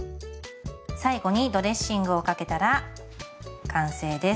最後にドレッシングをかけたら完成です。